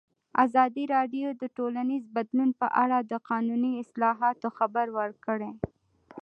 ازادي راډیو د ټولنیز بدلون په اړه د قانوني اصلاحاتو خبر ورکړی.